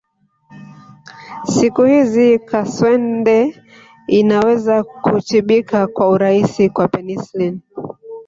Siku hizi kaswende inaweza kutibika kwa urahisi kwa penicillin